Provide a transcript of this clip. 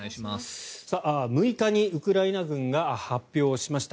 ６日にウクライナ軍が発表しました。